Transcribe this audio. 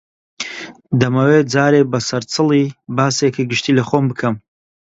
دەمەوێ جارێ بە سەرچڵی باسێکی گشتی لە خۆم بکەم